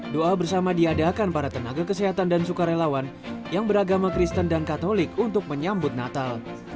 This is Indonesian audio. doa bersama diadakan para tenaga kesehatan dan sukarelawan yang beragama kristen dan katolik untuk menyambut natal